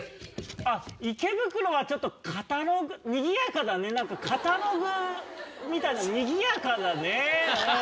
あっ、池袋はちょっとカタログ、にぎやかだね、なんかカタログみたいなにぎやかだね。